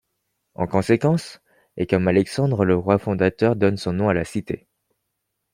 En conséquence, et comme Alexandre, le roi fondateur donne son nom à la cité.